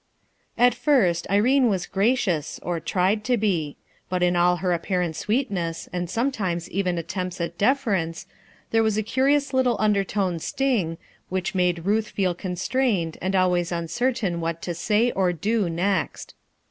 At first § Irene was gracious, or tried to be ; but in all her apparent sweetness, and sometimes even attempts at deference, there was a curious little undertone sting, which made Ruth feel constrained, and always uncertain what to say or do next.